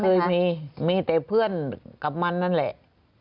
เคยมีมีแต่เพื่อนกับมันนั่นแหละ